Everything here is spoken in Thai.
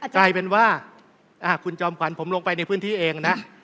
กลายเป็นว่าคุณจอมขวัญผมลงไปในพื้นที่เองนะ